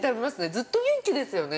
ずっと元気ですよね。